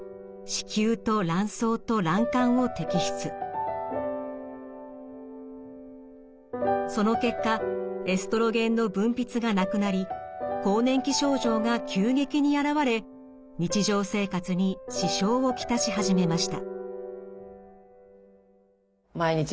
４０代の会社員その結果エストロゲンの分泌がなくなり更年期症状が急激に現れ日常生活に支障を来し始めました。